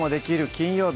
金曜日」